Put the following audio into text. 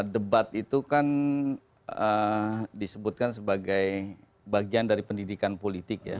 debat itu kan disebutkan sebagai bagian dari pendidikan politik ya